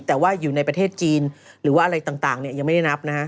แต่ว่าอยู่ในประเทศจีนหรือว่าอะไรต่างยังไม่ได้นับนะฮะ